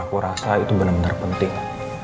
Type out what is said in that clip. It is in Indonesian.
aku rasa itu bener bener penting